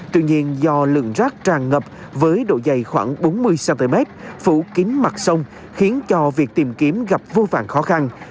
tuy nhiên do lượng rác tràn ngập với độ dày khoảng bốn mươi cm phủ kính mặt sông khiến cho việc tìm kiếm gặp vô vàng khó khăn